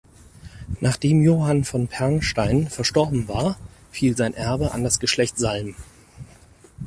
Nachdem Johann von Pernstein verstorben war, fiel sein Erbe an das Geschlecht Salm.